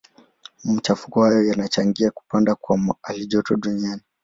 Machafuko hayo yanachangia kupanda kwa halijoto duniani.